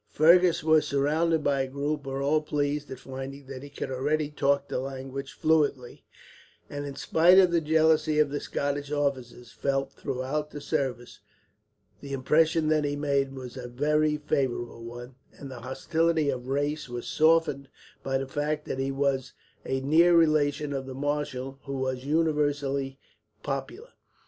Fergus was surrounded by a group, who were all pleased at finding that he could already talk the language fluently; and in spite of the jealousy of the Scottish officers, felt throughout the service, the impression that he made was a very favourable one; and the hostility of race was softened by the fact that he was a near relation of the marshal, who was universally popular.